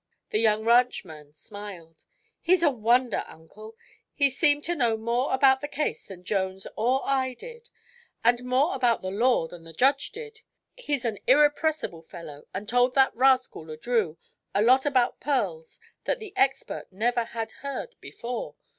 The young ranchman smiled. "He's a wonder, Uncle. He seemed to know more about the case than Jones or I did, and more about the law than the judge did. He's an irrepressible fellow, and told that rascal Le Drieux a lot about pearls that the expert never had heard before.